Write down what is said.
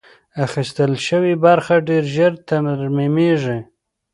اخیستل شوې برخه ډېر ژر ترمیمېږي.